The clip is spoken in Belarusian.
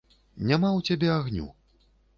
Няма ў цябе агню.